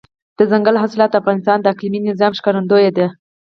دځنګل حاصلات د افغانستان د اقلیمي نظام ښکارندوی ده.